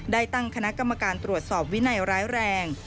ได้ตั้งคณะกรรมการตรวจสอบวินัยร้ายแรง